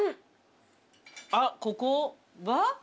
あっここは？